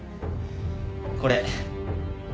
これ。